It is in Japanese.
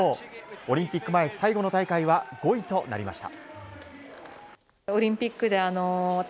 オリンピック前最後の大会は５位となりました。